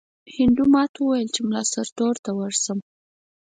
هندو ماته وویل چې مُلا سرتور ته ورشم.